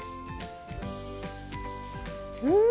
うん！